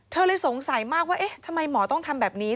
เธอเลยสงสัยมากว่าเอ๊ะทำไมหมอต้องทำแบบนี้